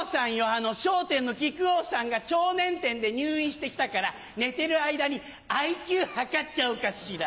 あの『笑点』の木久扇さんが腸捻転で入院して来たから寝てる間にＩＱ測っちゃおうかしら。